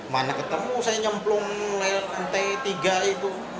mana ketemu saya nyemplung lantai tiga itu